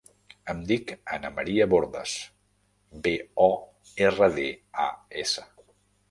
Em dic Ana maria Bordas: be, o, erra, de, a, essa.